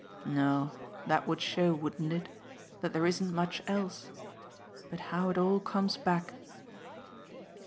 "No, that would show, wouldn't it? that there isn't much else. But how it all comes back